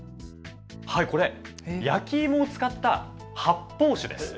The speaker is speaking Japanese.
これ、焼き芋を使った発泡酒です。